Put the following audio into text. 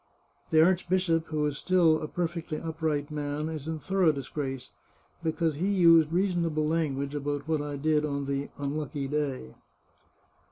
The archbishop, who is still a perfectly up right man, is in thorough disgrace, because he used reason able language about what I did on the unlucky day.